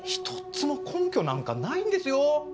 １つも根拠なんかないんですよ？